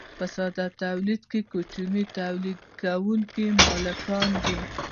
په ساده تولید کې کوچني تولیدونکي مالکان دي.